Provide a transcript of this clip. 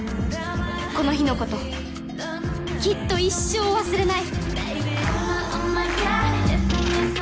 この日のこときっと一生忘れない